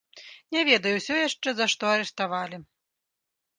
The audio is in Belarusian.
Не ведаю ўсё яшчэ за што арыштавалі.